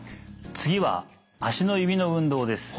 次は足の指の運動です。